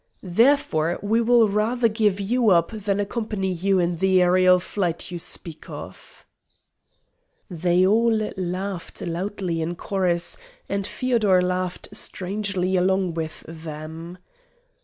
Therefore we will rather give you up than accompany you in the aërial flight you speak of." They all laughed loudly in chorus, and Feodor laughed strangely along with them.